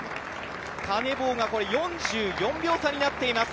カネボウが４４秒差になっています。